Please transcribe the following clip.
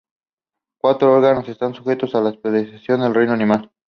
Cuatro órganos están sujetos a especialización en el reino animal.